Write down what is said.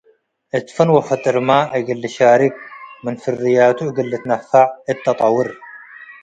እት ፈን ወፍጥር መ እግል ልሻርክ፡ ምን ፈርያቱ እግል ልትነፈዕ፡ እት ተጠውር